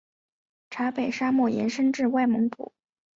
察北沙漠延伸至外蒙古。